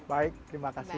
baik terima kasih